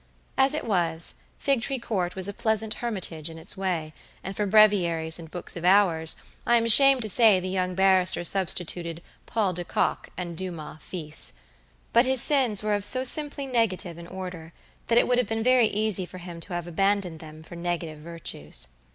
As it was, Figtree Court was a pleasant hermitage in its way, and for breviaries and Books of Hours, I am ashamed to say the young barrister substituted Paul de Kock and Dumas, fils. But his sins were of so simply negative an order, that it would have been very easy for him to have abandoned them for negative virtues.